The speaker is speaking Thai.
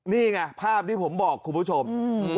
นี่ไงภาพที่ผมบอกคุณผู้ชม